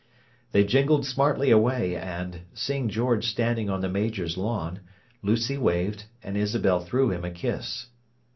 They jingled smartly away, and, seeing George standing on the Major's lawn, Lucy waved, and Isabel threw him a kiss.